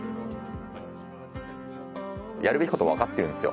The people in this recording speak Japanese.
やるべきことは分かってるんですよ。